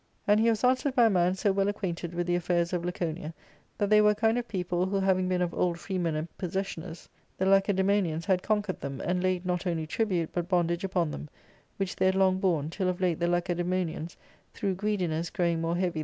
And he was answered by a man well acquainted with the affairs of Laconia, that they were a kind of people who having been of old freemen and possessioners, the Lacedae monians had coni}U£ied_them, and laid not only tribute, but bondage upon them, which they had long borne, till of late the LacedaspftCTtians. through greediness growing more heavy